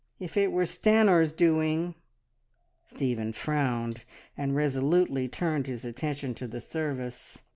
If it were Stanor's doing. ... Stephen frowned, and resolutely turned his attention to the service.